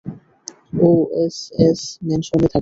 ও SS ম্যানশনে থাকে।